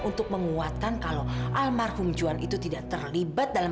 untuk menguatkan kalau almarhum